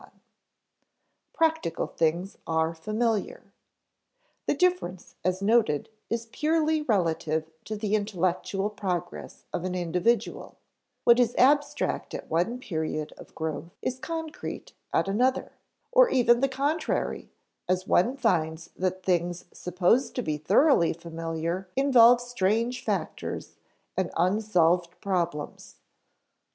[Sidenote: Practical things are familiar] The difference as noted is purely relative to the intellectual progress of an individual; what is abstract at one period of growth is concrete at another; or even the contrary, as one finds that things supposed to be thoroughly familiar involve strange factors and unsolved problems.